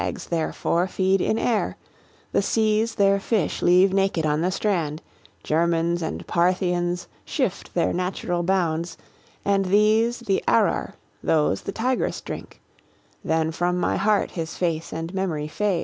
TITYRUS Sooner shall light stags, therefore, feed in air, The seas their fish leave naked on the strand, Germans and Parthians shift their natural bounds, And these the Arar, those the Tigris drink, Than from my heart his face and memory fade.